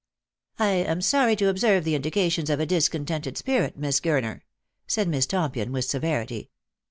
"I am sorry to observe the indications of a discontented spirit, Miss Gurner," said Miss Tompion with severity.